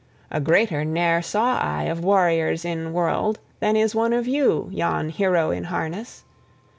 A greater ne'er saw I of warriors in world than is one of you, yon hero in harness!